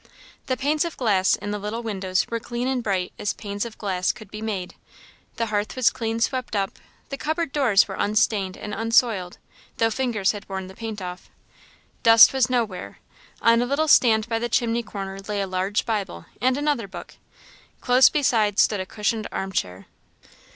The panes of glass in the little windows were clean and bright as panes of glass could be made; the hearth was clean swept up; the cupboard doors were unstained and unsoiled, though fingers had worn the paint off; dust was nowhere. On a little stand by the chimney corner lay a large Bible and another book; close beside stood a cushioned arm chair.